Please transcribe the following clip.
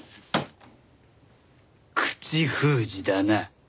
口封じだな。